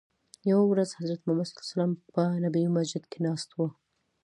یوه ورځ حضرت محمد په نبوي مسجد کې ناست وو.